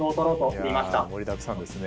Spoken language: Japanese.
いや盛りだくさんですね。